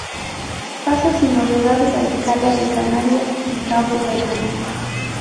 Pasa sin novedad la escala de Canarias y Cabo Verde.